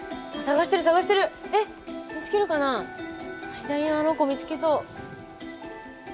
左のあの子見つけそう。